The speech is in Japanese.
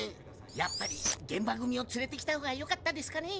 やっぱり現場組を連れてきたほうがよかったですかね。